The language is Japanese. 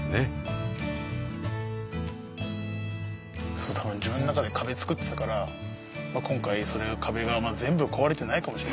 そうたまに自分の中で壁作ってたから今回それが壁が全部壊れてないかもしれないけど。